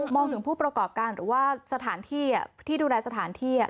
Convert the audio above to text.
มองถึงผู้ประกอบการหรือว่าสถานที่ที่ดูแลสถานที่